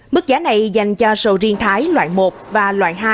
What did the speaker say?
mức giá này dành cho sầu riêng thái loại một và loại hai